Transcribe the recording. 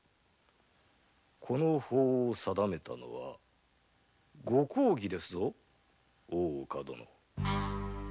この法を定めたのはご公儀ですぞ大岡殿。